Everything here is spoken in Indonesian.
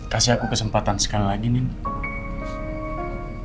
kasih aku kesempatan sekali lagi nih